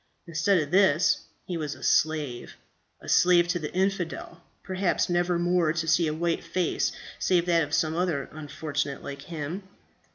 Instead of this he was a slave a slave to the infidel, perhaps never more to see a white face, save that of some other unfortunate like himself.